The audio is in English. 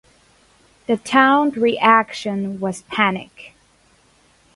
The town reaction was panic.